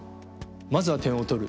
まずは点を取る。